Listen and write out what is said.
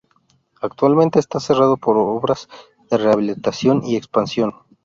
Actualmente está cerrado por obras de rehabilitación y expansión.